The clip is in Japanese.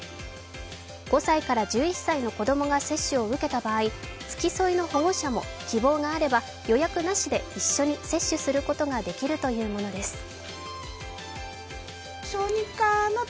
５歳から１１歳の子供が接種を受けた場合付き添いの保護者も希望があれば予約なしで一緒に接種することができるというものです。